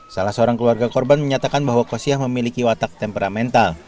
salah seorang keluarga korban menyatakan bahwa kosiah memiliki watak temperamental